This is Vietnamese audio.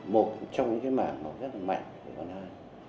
một trong những cái mảng rất là mạnh của văn an